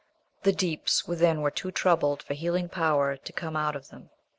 The deeps within were too troubled for healing power to come out of them.